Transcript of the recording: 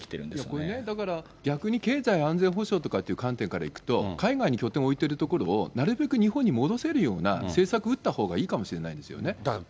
これね、だから、逆に経済安全保障とかっていう観点からいくと、海外に拠点を置いてるところを、なるべく日本に戻せるような政策打った方がいいかもしれないですだから